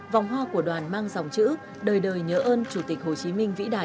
vòng hoa của đoàn mang dòng chữ đời đời nhớ ơn chủ tịch hồ chí minh vĩ đại